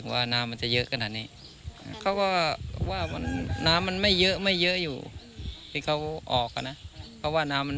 ว่าน้ำมันจะเยอะขนาดนี้เขาก็ว่าน้ำมันไม่เยอะไม่เยอะอยู่ที่เขาออกอ่ะนะเพราะว่าน้ำมัน